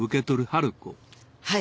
はい。